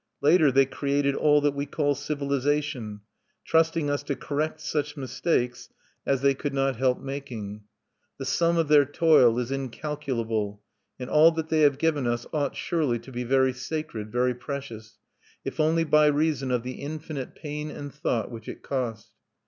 Later they created all that we call civilization, trusting us to correct such mistakes as they could not help making. The sum of their toil is incalculable; and all that they have given us ought surely to be very sacred, very precious, if only by reason of the infinite pain and thought which it cost.